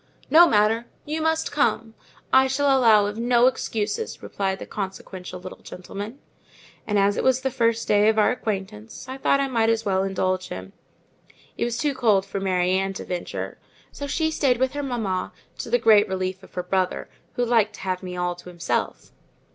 "No matter—you must come; I shall allow of no excuses," replied the consequential little gentleman. And, as it was the first day of our acquaintance, I thought I might as well indulge him. It was too cold for Mary Ann to venture, so she stayed with her mamma, to the great relief of her brother, who liked to have me all to himself.